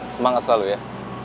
semangat selalu ya